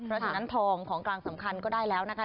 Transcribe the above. เพราะฉะนั้นทองของกลางสำคัญก็ได้แล้วนะคะ